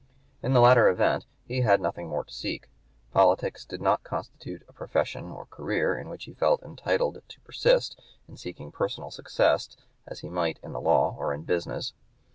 In the latter event he had nothing more to seek. Politics did not constitute a profession or career in which he felt entitled to persist in seeking personal success as he might in the law or in business.